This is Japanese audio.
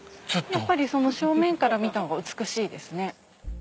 やっぱり正面から見た方が美しいですね。